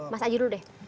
mas aji dulu deh